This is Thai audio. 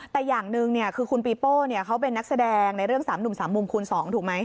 แต่อย่างหนึ่งคือคุณปีโป้เขาเป็นนักแสดงในเรื่อง๓หนุ่ม๓มุมคูณ๒ถูกไหม